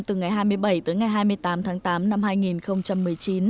từ ngày hai mươi bảy tới ngày hai mươi tám tháng tám năm hai nghìn một mươi chín